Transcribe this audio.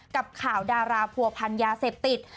กับข่าวดาราผัวพันธ์ยาเสพติด